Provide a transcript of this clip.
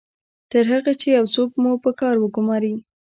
تر هغه چې یو څوک مو په کار وګماري